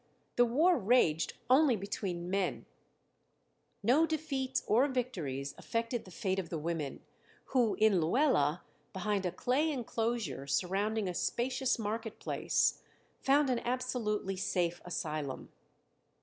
The war raged only between men; no defeats or victories affected the fate of the women, who in Luela, behind a clay enclosure surrounding a spacious market place, found an absolutely safe asylum.